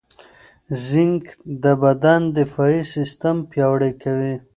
زېنک د بدن دفاعي سیستم پیاوړی کوي.